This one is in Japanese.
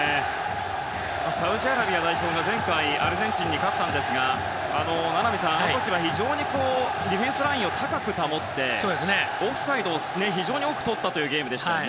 サウジアラビア代表が前回アルゼンチンに勝ったんですが名波さん、あの時は非常にディフェンスラインを高く保って、オフサイドを非常に多くとったというゲームでしたね。